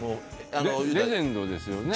レジェンドですよね？